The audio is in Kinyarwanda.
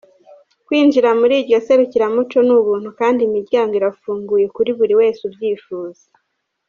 Kwinjira muri iryo serukiramuco ni ubuntu kandi imiryango irafunguye kuri buri wese ubyifuza.